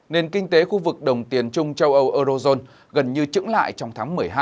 nền kinh tế khu vực đồng tiền trung châu âu eurozone gần như trứng lại trong tháng một mươi hai